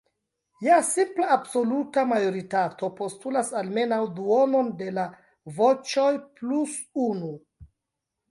Ja simpla absoluta majoritato postulas almenaŭ duonon de la voĉoj plus unu.